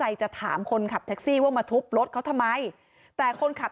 แต่แท็กซี่เขาก็บอกว่าแท็กซี่ควรจะถอยควรจะหลบหน่อยเพราะเก่งเทาเนี่ยเลยไปเต็มคันแล้ว